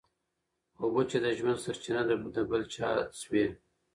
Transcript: اوبه چي د ژوند سرچینه ده د بل چا شوې.